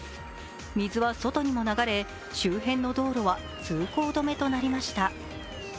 水は外にも流れ周辺の道路は通行止めとなりました。